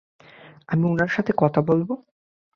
আমি উনার সাথে কথা বলবো।